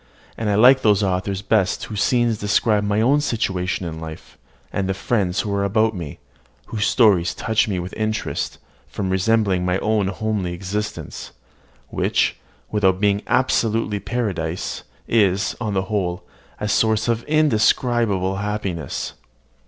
And I like those authors best whose scenes describe my own situation in life, and the friends who are about me, whose stories touch me with interest, from resembling my own homely existence, which, without being absolutely paradise, is, on the whole, a source of indescribable happiness."